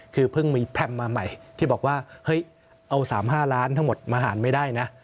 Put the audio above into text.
คือเพิ่งมีแพรมมาใหม่ที่บอกว่าเฮ้ยเอา๓๕ล้านทั้งหมดมาหารไม่ได้นะ